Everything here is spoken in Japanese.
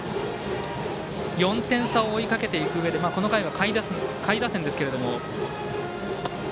４点差を追いかけていくうえでこの回は下位打線ですけれども。